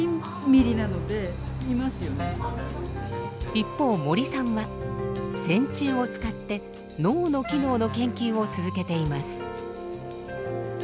一方森さんは線虫を使って脳の機能の研究を続けています。